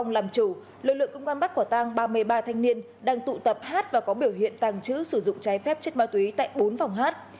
làm chủ lực lượng công an bắt quả tang ba mươi ba thanh niên đang tụ tập hát và có biểu hiện tàng trữ sử dụng trái phép chất ma túy tại bốn phòng hát